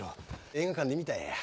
映画館で見たんや。